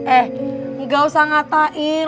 eh gak usah ngatain